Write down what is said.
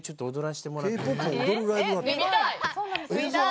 見たい。